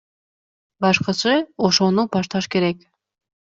Башкысы ошону башташ керек.